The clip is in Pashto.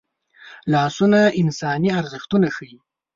لاسونه انساني ارزښتونه ښيي